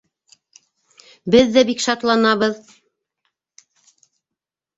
— Беҙ ҙә бик шатланабыҙ.